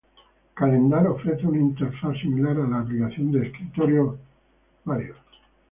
Calendar ofrece una interfaz similar a la aplicación de escritorio de Windows.